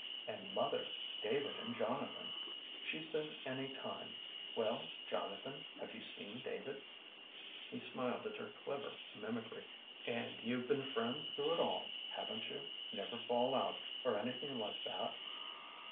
And mother, " David and Jonathan.' She says any time, ' Well, Jonathan, have you seen David? '" THE SINGLE AIM 7 He smiled at her clever mimicry. '' And you Ve been friends through it all, have n't you ? Never fall out, or anything like that?"